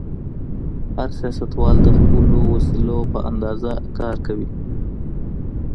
هر سياستوال د خپلو وسيلو په اندازه کار کوي.